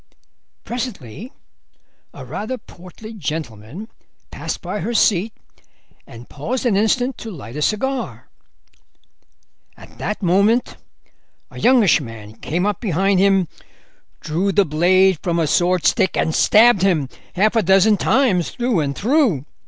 "Presently a rather portly gentleman passed by her seat and paused an instant to light a cigar. At that moment a youngish man came up behind him, drew the blade from a swordstick, and stabbed him half a dozen times through and through.